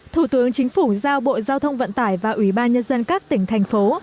thủ tướng chính phủ giao bộ giao thông vận tải và ủy ban nhân dân các tỉnh thành phố